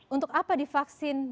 untuk apa divaksin